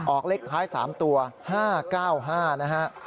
เลขท้าย๓ตัว๕๙๕นะฮะ